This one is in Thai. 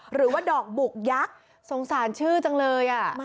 หรือว่าดอกบุกยักษ์สงสารชื่อจังเลย